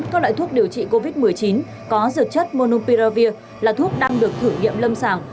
các loại thuốc điều trị covid một mươi chín có dược chất monumpiravir là thuốc đang được thử nghiệm lâm sàng